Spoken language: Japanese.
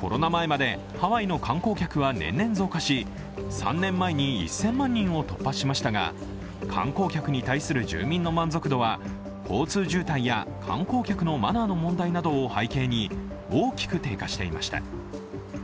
コロナ前まで、ハワイの観光客は年々増加し３年前に１０００万人を突破しましたが観光客に対する住民の満足度は交通渋滞や観光客のマナーの問題などを背景に大きく低下していました。